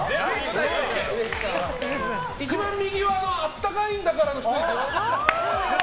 一番右はあったかいんだからの人ですよね。